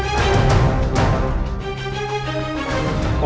selamat mengelami kepadaku